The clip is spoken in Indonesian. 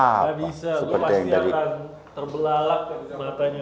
ngga bisa lu pasti akan terbelalak ke di dalamnya